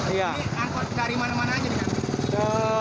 ini angkut dari mana mana saja